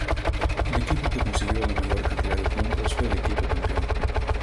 El equipo que consiguió la mayor cantidad de puntos fue el equipo campeón.